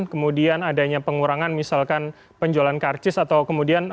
kemudian adanya pengurangan misalkan penjualan karcis atau kemudian